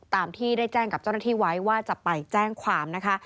ตามที่ได้แจ้งกับเจ้าหน้าที่ไว้ว่าจะไปแจ้งความนะคะ